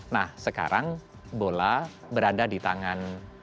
nah sekarang bola berada di tangan